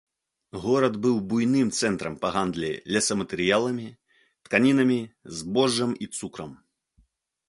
Горад быў буйным цэнтрам па гандлі лесаматэрыяламі, тканінамі, збожжам і цукрам.